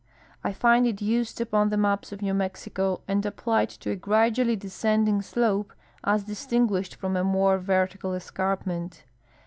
I find it used upon the maps of New Mexico and applied to a gradually descend ing slope as distinguished from a more vertical escarpment.